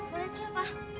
boleh siap pak